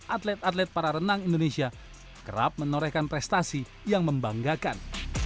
atlet atlet para renang indonesia kerap menorehkan prestasi yang membanggakan